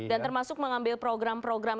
dan termasuk mengambil program program